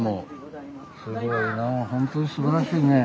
すごいなあほんとにすばらしいね。